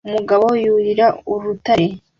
Umugabo yurira urutare